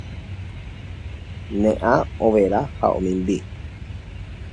Ne ã overa ha omimbi